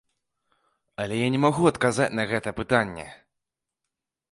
Але я не магу адказаць на гэта пытанне.